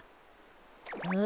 うん？